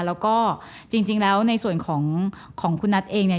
แล้วก็จริงแล้วในส่วนของของคุณนัทเองเนี่ย